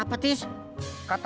nyak bisa sehat